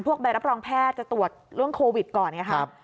ใบรับรองแพทย์จะตรวจเรื่องโควิดก่อนไงครับ